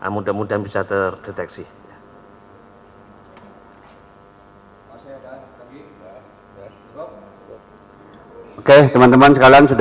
mudah mudahan bisa terdeteksi